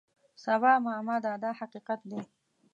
سبا معما ده دا حقیقت دی.